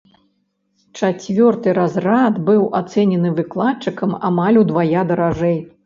Чацвёрты разрад быў ацэнены выкладчыкам амаль удвая даражэй.